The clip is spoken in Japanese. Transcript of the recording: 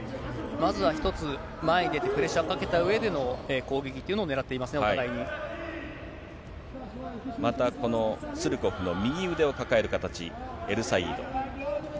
まずは一つ、前に出て、プレッシャーをかけたうえでの攻撃というまた、このスルコフの右腕を抱える形、エルサイード。